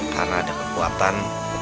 karena ada kekuatan